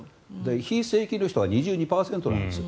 非正規の人は２２％なんです。